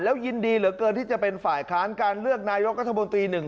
ยินดีเหลือเกินที่จะเป็นฝ่ายค้านการเลือกนายกรัฐมนตรีหนึ่ง